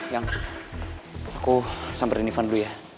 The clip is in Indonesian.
yang aku samperin ivan dulu ya